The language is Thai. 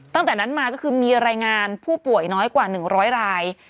ตั้งแต่นั้นมาก็คือมีรายงานผู้ป่วยน้อยกว่า๑๐๐ราย